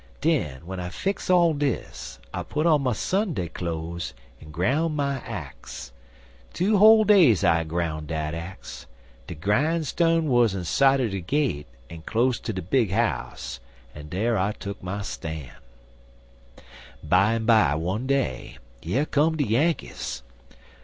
Den, w'en I fix all dis, I put on my Sunday cloze en groun' my axe. Two whole days I groun' dat axe. De grinestone wuz in sight er de gate en close ter de big 'ouse, en dar I tuck my stan'. "Bimeby one day, yer come de Yankees.